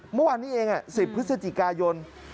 เมื่อวานนี้เอง๑๐พฤศจิกายน